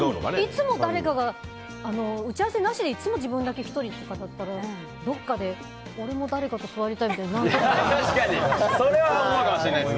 いつも誰かが打ち合わせなしで自分だけ１人とかだったらどこかで、俺も誰かと座りたいみたいにならないかな。